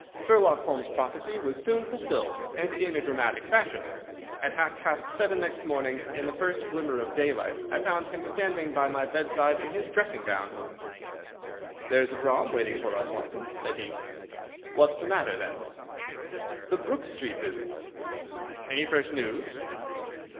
Sherlock Holmes's prophecy was soon fulfilled, and in a dramatic fashion. At half past seven next morning, in the first glimmer of daylight, I found him standing by my bedside in his dressing gown. "There's a brougham waiting for us, Watson," said he. "What's the matter, then?" "The Brook Street business." "Any fresh news?"